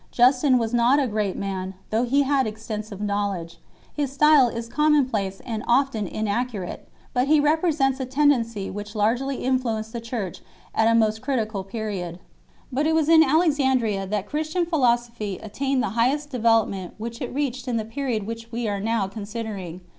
Justin was not a great man, though he had extensive knowledge ; his style is commonplace and often inaccurate ; but he represents a tendency which largely influenced the Church at a most critical period. But it was in Alexandria that Christian philosophy attained the highest development which it reached in the period which we are now considering.